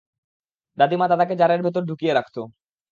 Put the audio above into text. দাদিমা দাদাকে জারের ভেতর ঢুকিয়ে রাখত।